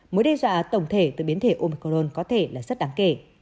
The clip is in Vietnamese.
mối đe dọa tổng thể từ biến thể omicorn có thể là rất đáng kể